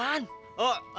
makanya aku belinya